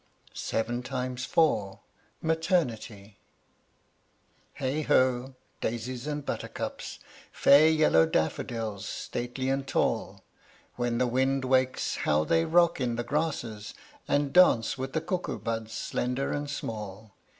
SEVEN TIMES FOUR. MATERNITY. Heigh ho! daisies and buttercups, Fair yellow daffodils, stately and tall! When the wind wakes how they rock in the grasses, And dance with the cuckoo buds slender and small!